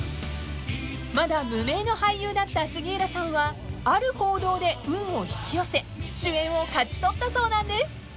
［まだ無名の俳優だった杉浦さんはある行動で運を引き寄せ主演を勝ち取ったそうなんです］